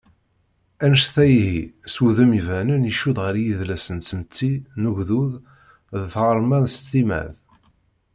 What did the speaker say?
Annect-a ihi, s wudem ibanen, icudd ɣer yidles n tmetti, n ugdud, d tɣerma s timmad.